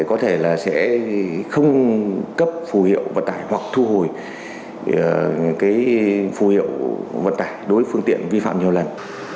có thể là sẽ không cấp phù hiệu vận tải hoặc thu hồi cái phù hiệu vận tải đối với phương tiện vi phạm nhiều lần